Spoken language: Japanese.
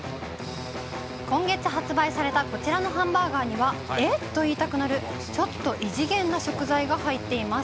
今月発売されたこちらのハンバーガーには、え？と言いたくなる、ちょっと異次元な食材が入っています。